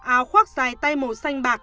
áo khoác dài tay màu xanh bạc